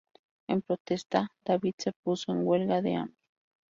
En protesta, David se puso en huelga de hambre.